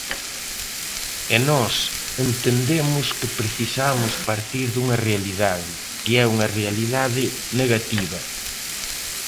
E nós entendemos que precisamos partir dunha realidade, que é unha realidade negativa.